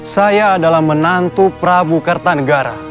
saya adalah menantu prabu kertanegara